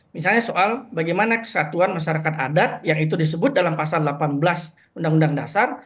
misalnya soal bagaimana kesatuan masyarakat adat yang itu disebut dalam pasal delapan belas undang undang dasar